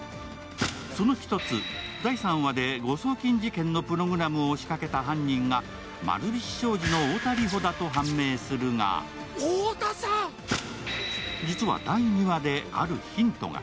そのひとつ、第３話で誤送金事件のプログラムを仕掛けた犯人が丸菱商事の太田梨歩だと判明するが実は、第２話であるヒントが。